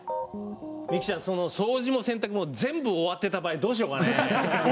みきちゃん掃除も洗濯も全部終わってた場合どうしようかね？